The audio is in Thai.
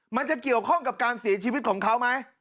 มันจะเกี่ยวข้องกับการเสียชีวิตของเขาไหม